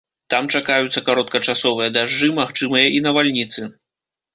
Там чакаюцца кароткачасовыя дажджы, магчымыя і навальніцы.